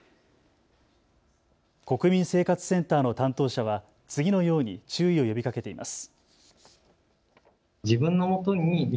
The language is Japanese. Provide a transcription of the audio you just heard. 国民生活センターの担当者は次のように注意を呼びかけています。